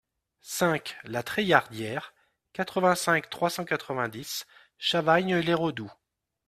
cinq la Treillardière, quatre-vingt-cinq, trois cent quatre-vingt-dix, Chavagnes-les-Redoux